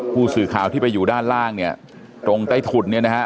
ผู้สื่อข่าวที่ไปอยู่ด้านล่างเนี่ยตรงใต้ถุนเนี่ยนะฮะ